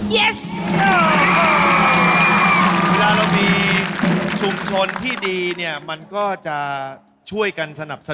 เวลาเรามีชุมชนที่ดีเนี่ยมันก็จะช่วยกันสนับสนุน